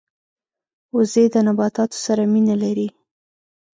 وزې د نباتاتو سره مینه لري